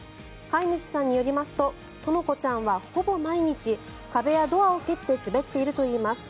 飼い主さんによりますととのこちゃんは、ほぼ毎日壁やドアを蹴って滑っているといいます。